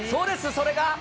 それが。